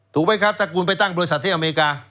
ถูกไหมครับถ้าคุณไปตั้งบริษัทที่อเมริกา